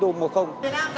việt nam thắng ba một